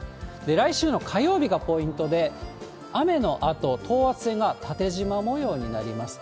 来週の火曜日がポイントで、雨のあと、等圧線が縦じま模様になります。